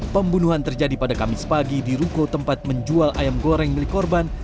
pembunuhan terjadi pada kamis pagi di ruko tempat menjual ayam goreng milik korban